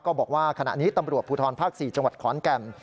บอกว่าขณะนี้ตำรวจภูทรภาค๔จังหวัดขอนแก่น